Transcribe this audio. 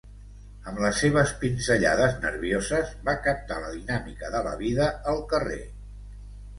Amb les seves pinzellades nervioses va captar la dinàmica de la vida al carrer.